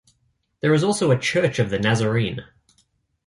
There is also a Church of the Nazarene.